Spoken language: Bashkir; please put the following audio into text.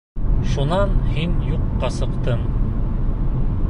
Шунан һин юҡҡа сыҡтың.